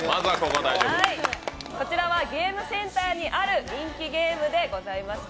こちらはゲームセンターにある人気ゲームでございまして